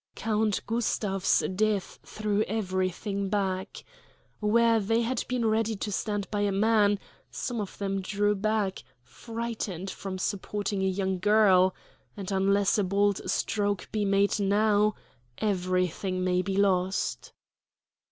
"Count Gustav's death threw everything back. Where they had been ready to stand by a man, some of them drew back, frightened, from supporting a young girl and, unless a bold stroke be made now, everything may be lost."